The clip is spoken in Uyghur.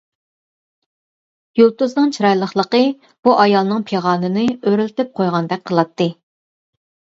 يۇلتۇزنىڭ چىرايلىقلىقى بۇ ئايالنىڭ پىغانىنى ئۆرلىتىپ قويغاندەك قىلاتتى.